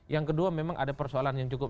yang kedua memang ada persoalan yang cukup